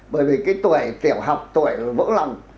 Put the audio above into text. bởi vì cái tuổi tiểu học tuổi vỡ lòng